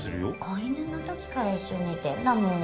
子犬のときから一緒に寝てんだもん。